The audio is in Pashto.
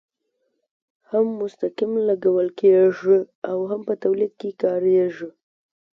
هم مستقیم لګول کیږي او هم په تولید کې کاریږي.